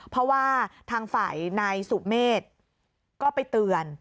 เพราะว่าทางฝ่ายนายสุเมฆก็ไปเตือน